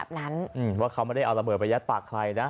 บอกก่อนว่าเขาไม่เอาระเบิดไปยัดปากใครนะ